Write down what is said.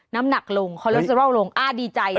น้ำหนักลงคอเลสเตอรอลลงอ้าดีใจ